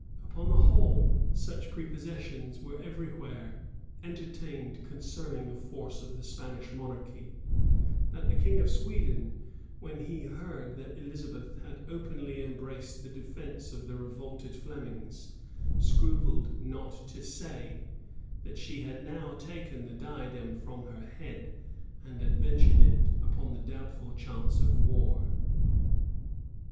Upon the whole, such prepossessions were every where entertained concerning the force of the Spanish monarchy, that the king of Sweden, when he heard that Elizabeth had openly embraced the defence of the revolted Flemings, scrupled not to say, that she had now taken the diadem from her head, and had adventured it upon the doubtful chance of war.